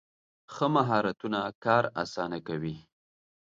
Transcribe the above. ښه مهارتونه کار اسانه کوي.